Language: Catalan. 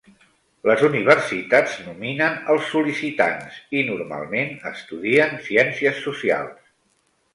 Les universitats nominen els sol·licitants i, normalment, estudien ciències socials.